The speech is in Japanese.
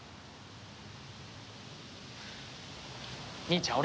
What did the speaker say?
兄ちゃん